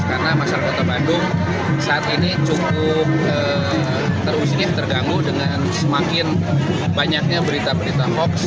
karena masyarakat kota bandung saat ini cukup terus terganggu dengan semakin banyaknya berita berita hoax